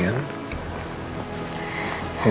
sampe kebawa mimpi kan